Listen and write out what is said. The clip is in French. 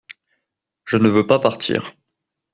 Je ne veux pas partir.